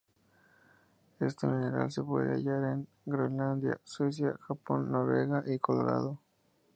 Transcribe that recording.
Este mineral se puede hallar en Groenlandia, Suecia, Japon, Noruega y Colorado.